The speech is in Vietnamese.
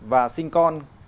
và sinh con